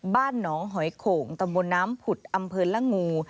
บ้านหนองหอยโข่งตำบลน้ำผุดอำเภอละงู